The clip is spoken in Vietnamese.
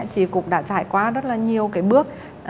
chị cũng đã trải qua rất là nhiều cái bước